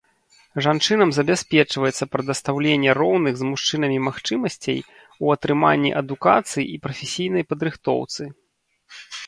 Жанчынам забяспечваецца прадастаўленне роўных з мужчынамі магчымасцей у атрыманні адукацыі і прафесійнай падрыхтоўцы.